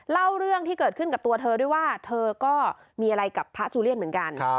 เล่าเรื่องที่เกิดขึ้นกับตัวเธอด้วยว่าเธอก็มีอะไรกับพระจูเลียนเหมือนกัน